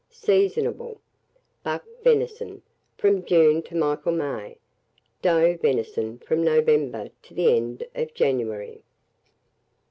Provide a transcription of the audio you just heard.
Seasonable. Buck venison, from June to Michaelmas; doe venison, from November to the end of January.